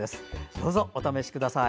どうぞお試しください。